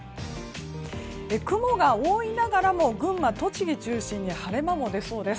雲が多いながらも群馬、栃木を中心に晴れ間も出そうです。